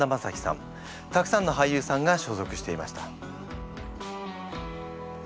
たくさんの俳優さんが所属していました。